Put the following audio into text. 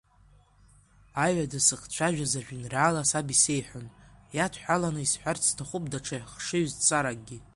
Аҩада сзыхцәажәаз ажәеинраала Саб исеиҳәон иадҳәаланы исҳәарц сҭахуп даҽа хшыҩзцаракгьы.